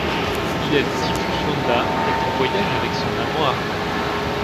Il a le typhus Wanda est en voyage avec son amant Armand.